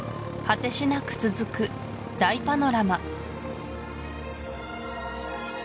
果てしなく続く大パノラマ